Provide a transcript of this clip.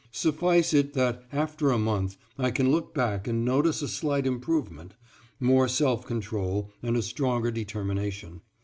Suffice [it that] after a month I can look back and notice a slight improvement, more self control and a stronger determination.